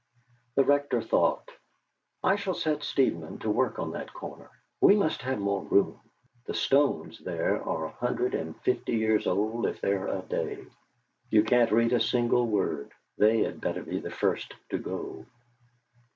The Rector thought: '. shall set Stedman to work on that corner. We must have more room; the stones there are a hundred and fifty years old if they're a day. You can't read a single word. They'd better be the first to go.'